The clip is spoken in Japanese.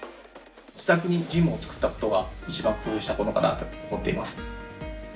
自宅にジムを作ったことが一番工夫したことかなと思っています。